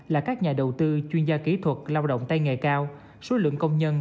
là các nhà đầu tư chuyên gia kỹ thuật lao động tay nghề cao số lượng công nhân